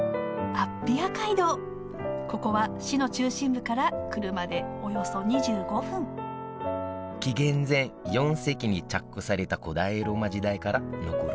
ここは市の中心部から車でおよそ２５分紀元前４世紀に着工された古代ローマ時代から残る道だよ。